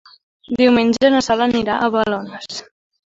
Diumenge na Sol anirà a Balones.